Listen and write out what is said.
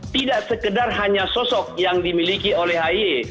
tidak sekedar hanya sosok yang dimiliki oleh ahy